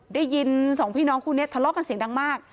ได้ยินสองพี่น้องคู่นี้ทะเลาะกันเสียงดังมาก